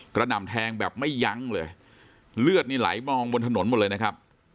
หน่ำแทงแบบไม่ยั้งเลยเลือดนี่ไหลมองบนถนนหมดเลยนะครับ